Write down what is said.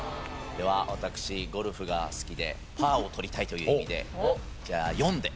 では私ゴルフが好きでパーをとりたいという意味でじゃあ４で。